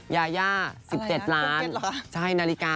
ยาย่า๑๗ล้าน